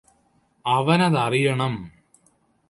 അവനതറിയണം